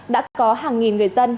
đã có hàng nghìn người dân